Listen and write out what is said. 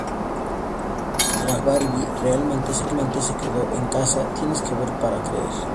Harajuku Barbie realmente se quedó en casa, tienes que ver para creer".